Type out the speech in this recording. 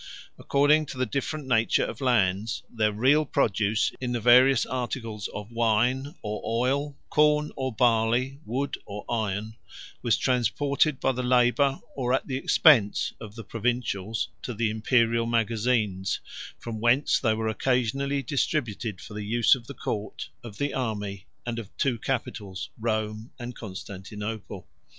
According to the different nature of lands, their real produce in the various articles of wine or oil, corn or barley, wood or iron, was transported by the labor or at the expense of the provincials 17511 to the Imperial magazines, from whence they were occasionally distributed for the use of the court, of the army, and of two capitals, Rome and Constantinople.